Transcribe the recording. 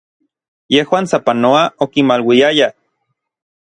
Yejuan sapanoa okimaluiayaj.